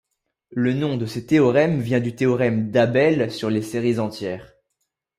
Le nom de ces théorèmes vient du théorème d'Abel sur les séries entières.